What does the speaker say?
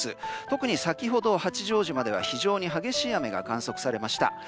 特に先ほど、八丈島では非常に激しい雨が観測されました。